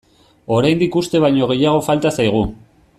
Oraindik uste baino gehiago falta zaigu.